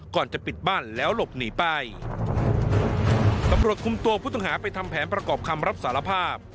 ก่อนจะปิดบ้านแล้วหลบหนีไปตำรวจคุมตัวผู้ต้องหาไปทำแผนประกอบคำรับสารภาพ